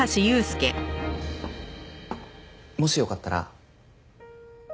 もしよかったら。